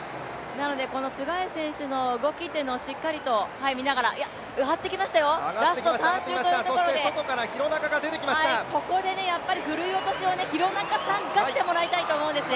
ツェガイ選手の動きをしっかりと見ながら上がってきましたよ、ラスト３周というところで、ここでやっぱりふるい落としを廣中さんがしてもらいたいと思うんですね。